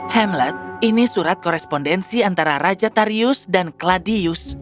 hamlet ini surat korespondensi antara raja tarius dan cladius